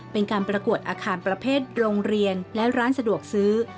เป็นการประกวดอาคารประเภทโรงเรียนและร้านสะดวกซื้อ